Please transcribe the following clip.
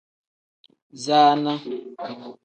Zaana.